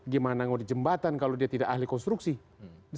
gimana mengaudit jembatan kalau dia tidak ahli konstruksi